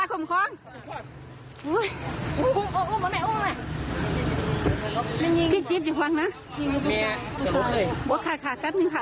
ว่าค่ะแป๊บนึงค่ะ